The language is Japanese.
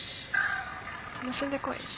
楽しんでこい。